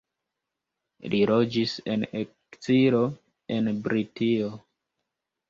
Li loĝis en ekzilo en Britio.